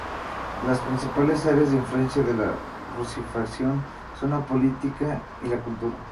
Las principales áreas de influencia de la rusificación son la política y la cultura.